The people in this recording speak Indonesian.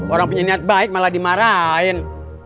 orang punya niat baik malah dimarahin